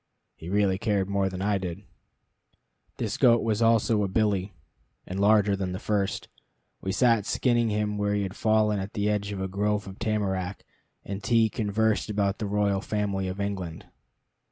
He really cared more than I did. This goat was also a billy, and larger than the first. We sat skinning him where he had fallen at the edge of a grove of tamarack, and T conversed about the royal family of England.